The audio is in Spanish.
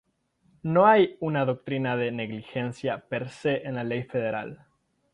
No hay una doctrina de negligencia "per se" en la ley federal.